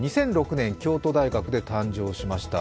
２００６年、京都大学で誕生しました。